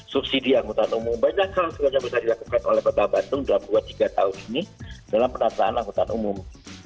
subsidi angkotan umum banyak hal hal yang bisa dilakukan oleh bapak bandung dalam dua tiga tahun ini dalam penataan angkotan umum